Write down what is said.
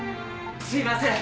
・すいません！